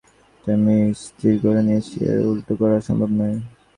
এটা আমি স্থির করে নিয়েছি, এর উল্টো করা সম্ভব নয়।